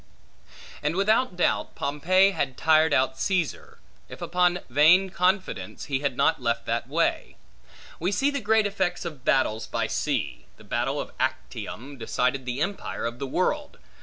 And, without doubt, Pompey had tired out Caesar, if upon vain confidence, he had not left that way. We see the great effects of battles by sea. The battle of Actium, decided the empire of the world.